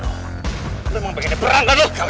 lu emang pengen berangkan lu